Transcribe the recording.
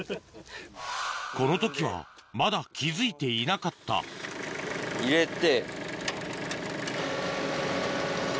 この時はまだ気付いていなかった入れて。